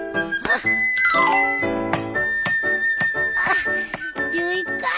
あっ１１回。